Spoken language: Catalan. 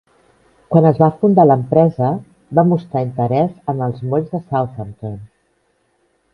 Quan es va fundar l'empresa, va mostrar interès en els molls de Southampton.